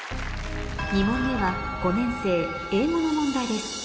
２問目は５年生英語の問題です